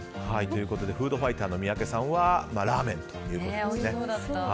フードファイターの三宅さんはラーメンということですね。